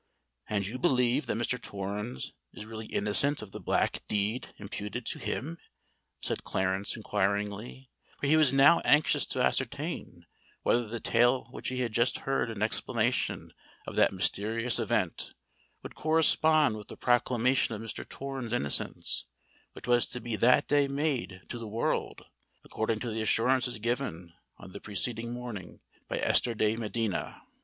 "And you believe that Mr. Torrens is really innocent of the black deed imputed to him?" said Clarence, inquiringly—for he was now anxious to ascertain whether the tale which he had just heard in explanation of that mysterious event, would correspond with the proclamation of Mr. Torrens' innocence which was to be that day made to the world, according to the assurances given on the preceding morning by Esther de Medina.